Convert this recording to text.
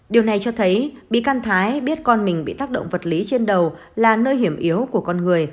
điều này cho thấy bí can thái biết con mình bị tác động vật lý trên đầu là nơi hiểm yếu của con người